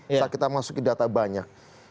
setelah kita mengasuhi data banyak